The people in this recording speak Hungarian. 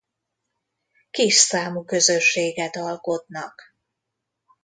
Kis számú közösséget alkotnak.